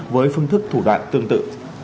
với phương thức thủ đoạn tương tự